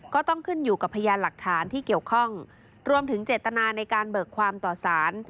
ก็ต้องขึ้นอยู่กับพยานหลักฐานที่เกี่ยวข้องรวมถึงเจตนาในการเบิกความต่อสาร